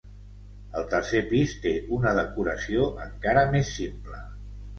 El tercer pis té una decoració encara més simple.